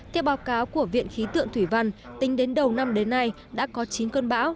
theo báo cáo của viện khí tượng thủy văn tính đến đầu năm đến nay đã có chín cơn bão